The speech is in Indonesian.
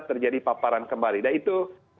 terjadi paparan kembali dan itu